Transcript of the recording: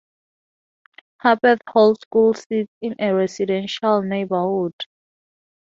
Harpeth Hall School sits in a residential neighborhood.